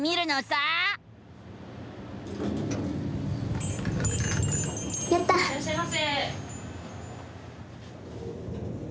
・いらっしゃいませ。